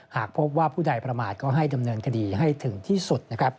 หากพบว่าผู้ใดประมาทก็ให้ดำเนินคดีให้ถึงที่สุดนะครับ